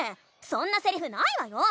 そんなセリフないわよ！